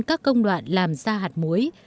các công đoạn làm ra hạt muối